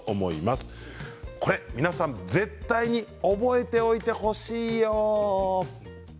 これ絶対に覚えておいてほしいよ。